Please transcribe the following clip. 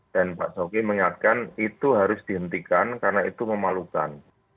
dan pak jokowi mengingatkan itu harus dihentikan karena itu memalukan